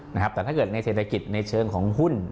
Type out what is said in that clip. แต่ถ้าเกิดในเศรษฐกิจในเชิงของหุ้น